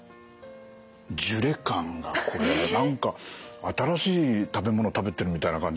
ジュレ感がこれ何か新しい食べ物食べてるみたいな感じで。